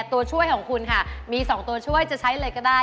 ตัวช่วยของคุณค่ะมี๒ตัวช่วยจะใช้เลยก็ได้